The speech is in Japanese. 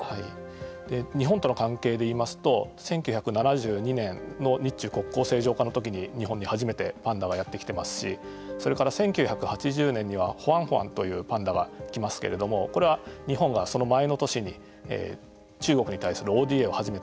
日本との関係で言いますと１９７２年の日中国交正常化のときに日本に初めてパンダがやってきてますしそれから１９８０年にはホァンホァンというパンダが来ますけれどもこれは日本がその前の年に中国に対するＯＤＡを始めた。